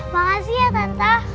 makasih ya tante